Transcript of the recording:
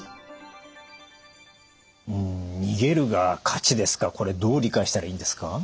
うん「逃げるが勝ち」ですかこれどう理解したらいいんですか？